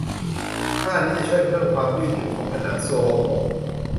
ท่านี้จะช่วยเพิ่มความยืดหยุ่นของผนังทรวงอก